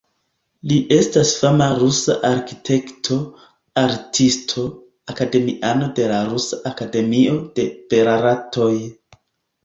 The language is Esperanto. Li estas fama rusa arkitekto, artisto, akademiano de la Rusia Akademio de Belartoj.